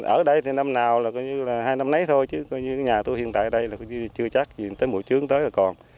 ở đây thì năm nào là coi như là hai năm nấy thôi chứ coi như nhà tôi hiện tại ở đây là chưa chắc gì tới mùa trướng tới là còn